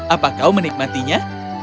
apakah kau menikmatinya